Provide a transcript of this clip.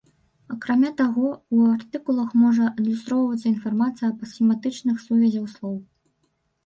Акрамя таго, у артыкулах можа адлюстроўвацца інфармацыя аб семантычных сувязях слоў.